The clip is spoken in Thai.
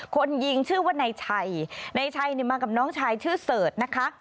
คนยิงชื่อว่านายชัยนายชัยเนี่ยมากับน้องชายชื่อเสิร์ชนะคะ